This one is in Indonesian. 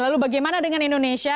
lalu bagaimana dengan indonesia